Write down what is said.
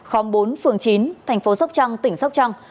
khóm bốn phường chín tp sóc trăng tỉnh sóc trăng